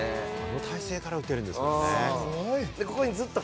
あの体勢から打てるんですもんね。